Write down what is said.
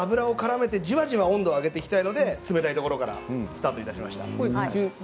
まずは油をからめてじわじわ温度を上げていきたいので冷たいところからスタートしました。